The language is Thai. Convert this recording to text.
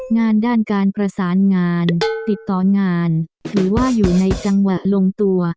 งานด้านการประสานงานติดต่องานถือว่าอยู่ในจังหวะลงตัว